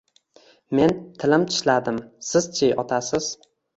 Men tilim tishladim, siz-chi otasiz